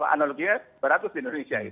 analoginya beratus di indonesia